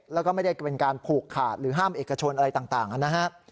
แล้วก็ไม่ได้เป็นการผูกขาดหรือห้ามเอกชนอะไรต่างนะฮะ